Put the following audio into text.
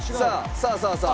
さあさあさあ。